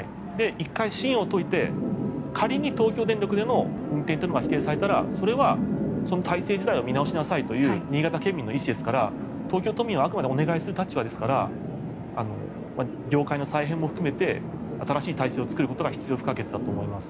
１回信を問うて仮に東京電力での運転が否定されたらそれは、その体制自体を見直しなさいという新潟県民の意思ですから東京都民はあくまでお願いする立場ですから業界の再編も含めて新しい体制を作ることが必要不可欠だと思います。